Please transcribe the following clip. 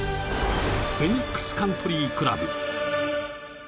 フェニックスカントリークラブ。